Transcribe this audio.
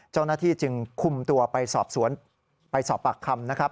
เจ้าหน้าที่จึงคุมตัวไปสอบสวนไปสอบปากคำนะครับ